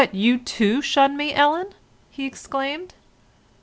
you too shun me, Ellen?" he exclaimed.